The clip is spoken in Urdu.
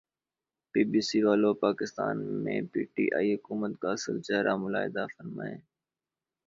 بی بی سی والو پاکستان میں پی ٹی آئی حکومت کا اصل چہرا ملاحظہ فرمائیں